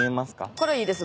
これいいです。